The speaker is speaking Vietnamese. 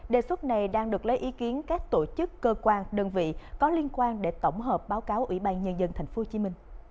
đề xuất này đang được lấy ý kiến các tổ chức cơ quan đơn vị có liên quan để tổng hợp báo cáo ủy ban nhân dân tp hcm